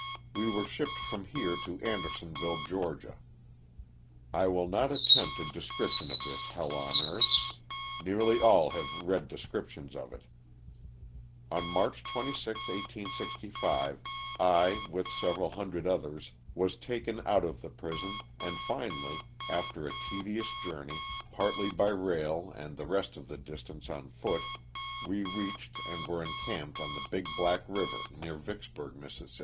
We were shipped from here to Andersonville, Ca. I will not attempt a description of this hell on earth; nearly all have read descriptions of it. On March 26, 1865, I, with several hundred others, was taken out of the prison, and finally, after a tedious journey, partly by rail and the rest of the distance on foot, we reached and were encamped on the Big Black river, near Vicksburg, Miss.